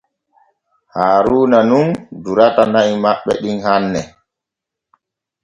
Haaruuna nun durata na’i maɓɓe ɗin hanne.